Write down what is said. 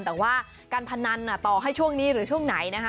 แต่ว่าการพนันต่อให้ช่วงนี้หรือช่วงไหนนะคะ